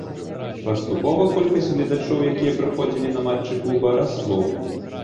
Паступова колькасць гледачоў, якія прыходзілі на матчы клуба, расло.